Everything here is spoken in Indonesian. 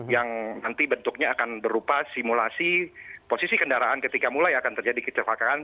yang nanti bentuknya akan berupa simulasi posisi kendaraan ketika mulai akan terjadi kecelakaan